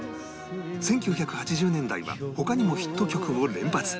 １９８０年代は他にもヒット曲を連発